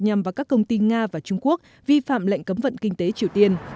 nhằm vào các công ty nga và trung quốc vi phạm lệnh cấm vận kinh tế triều tiên